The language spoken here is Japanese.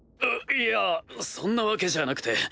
いいやそんなわけじゃなくて。